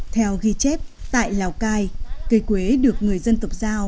theo ghi chép tại lào cai cây quế được người dân tộc gia đình trồng